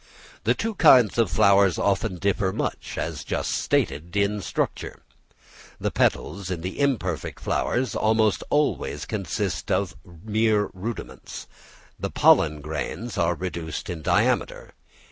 The two kinds of flowers often differ much, as just stated, in structure. The petals in the imperfect flowers almost always consist of mere rudiments, and the pollen grains are reduced in diameter.